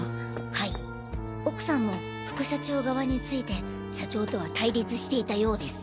はい奥さんも副社長側について社長とは対立していたようです。